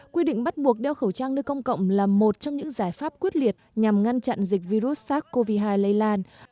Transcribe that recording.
quy định bắt buộc đeo khẩu trang nơi công cộng là một trong những giải pháp quyết liệt nhằm ngăn chặn dịch virus sars cov hai lây lan